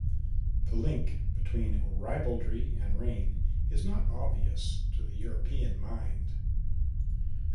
The link between ribaldry and rain is not obvious to the European mind.